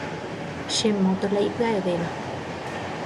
Che moto la ipya’evéva.